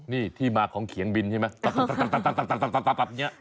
นี่ที่มาของเขียงบินใช่ไหม